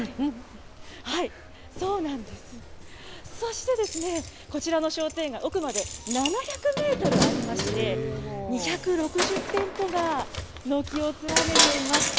そうなんです、そしてこちらの商店街、奥まで７００メートルありまして、２６０店舗が軒を連ねています。